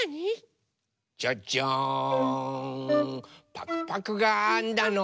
パクパクがあんだの。